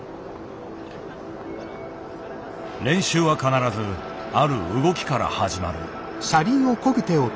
練習は必ずある動きから始まる。